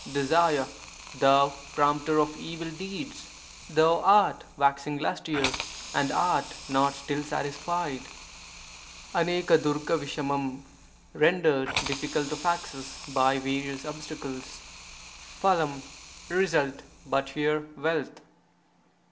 Desire, thou prompter of evil deeds, thou art waxing lustier and art not still satisfied. [STOijj'TfWT — rendered difficult of access by various obsta cles. WF — result (but here), wealth.